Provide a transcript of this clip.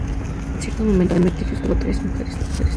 En cierto momento, Demetrius tuvo tres mujeres.